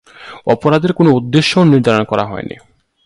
অপরাধের কোনও উদ্দেশ্য নির্ধারণ করা হয়নি।